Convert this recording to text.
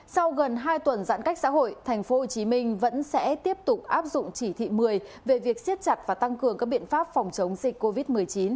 sau gần hai tuần giãn cách xã hội tp hcm vẫn sẽ tiếp tục áp dụng chỉ thị một mươi về việc siết chặt và tăng cường các biện pháp phòng chống dịch covid một mươi chín